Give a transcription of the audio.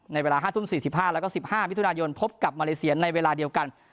ในเวลาห้าทุ่มสี่สิบห้าแล้วก็สิบห้ามิถุนายนพบกับมาเลเซียนในเวลาเดียวกัน